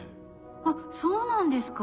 あっそうなんですか。